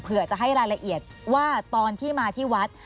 จะให้รายละเอียดว่าตอนที่มาที่วัด